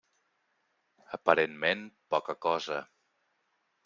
Aparentment poca cosa.